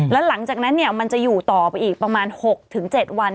แล้วหลังจากนั้นมันจะอยู่ต่อไปอีกประมาณ๖๗วัน